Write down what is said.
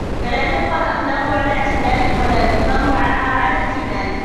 فَلَا تَبْقَى الْأَخْلَاقُ عَلَى اعْتِدَالٍ وَلَا يُقْدَرُ مَعَهَا عَلَى احْتِمَالٍ